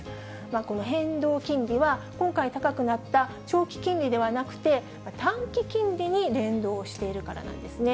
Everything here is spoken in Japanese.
この変動金利は、今回高くなった長期金利ではなくて、短期金利に連動しているからなんですね。